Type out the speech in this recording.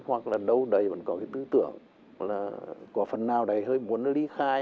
hoặc là đâu đấy vẫn có cái tư tưởng là có phần nào đấy hơi muốn đi khai